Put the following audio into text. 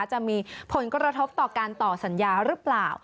จะมีผลกระทบต่อการต่อสัญญาหรือเปล่า